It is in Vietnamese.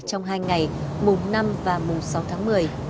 trong hai ngày mùng năm và mùng sáu tháng một mươi